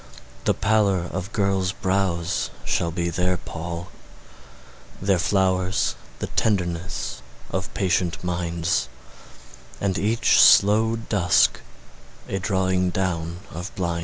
The pallor of girls' brows shall be their pall; Their flowers the tenderness of patient minds, And each slow dusk a drawing down of blinds.